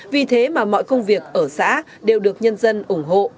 vì thế mà mọi công việc ở xã đều được nhân dân ủng hộ